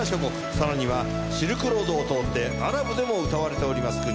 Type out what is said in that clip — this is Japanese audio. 更にはシルクロードを通ってアラブでも歌われております